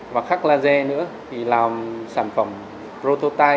và khắc laser nữa thì làm sản phẩm prototype